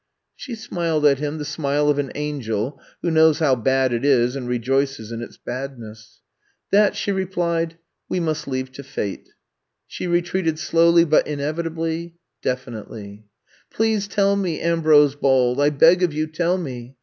'' She smiled at him the smile of an angel who knows how bad it is and rejoices in its badness. That," she replied, *'we must leave ta fate." She retreated slowly but inevi tably, definitely. '* Please tell me," Ambrose bawled. I beg of you tell me."